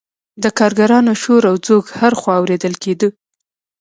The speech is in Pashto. د کارګرانو شور او ځوږ هر خوا اوریدل کیده.